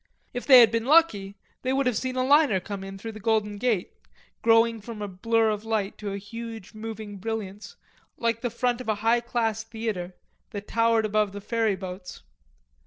If they had been lucky, they would have seen a liner come in through the Golden Gate, growing from a blur of light to a huge moving brilliance, like the front of a high class theatre, that towered above the ferry boats.